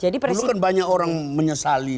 dulu kan banyak orang menyesali